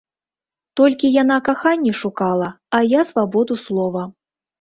Толькі яна каханне шукала, а я свабоду слова.